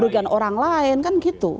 kerugian orang lain kan gitu